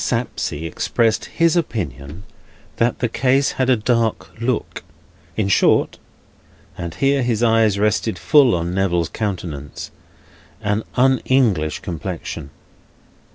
Sapsea expressed his opinion that the case had a dark look; in short (and here his eyes rested full on Neville's countenance), an Un English complexion.